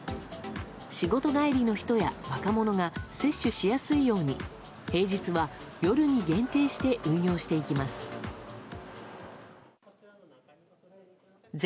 仕事帰りの人や若者が接種しやすいように平日は夜に限定して運用していきます。